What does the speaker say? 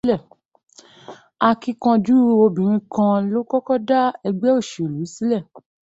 Akíkanjú obìnrin kan ló kọ́kọ́ dá ẹgbẹ́ òṣèlú sílẹ̀.